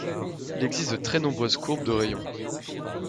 Il existe de très nombreuses courbes de de rayon.